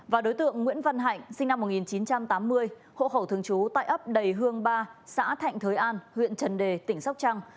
và đối tượng nguyễn văn hạnh sinh năm một nghìn chín trăm tám mươi hộ khẩu thường trú tại ấp đầy hương ba xã thạnh thới an huyện trần đề tỉnh sóc trăng